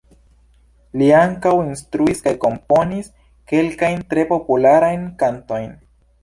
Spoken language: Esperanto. Li ankaŭ instruis kaj komponis kelkajn tre popularajn kantojn.